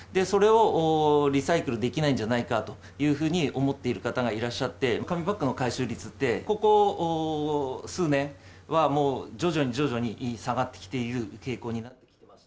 それをリサイクルできないんじゃないかというふうに思っている方がいらっしゃって、紙パックの回収率って、ここ数年は、もう徐々に徐々に下がってきている傾向に。